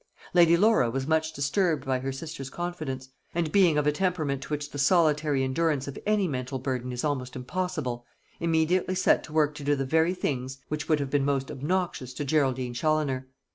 Lady Laura was much disturbed by her sister's confidence; and being of a temperament to which the solitary endurance of any mental burden is almost impossible, immediately set to work to do the very things which would have been most obnoxious to Geraldine Challoner.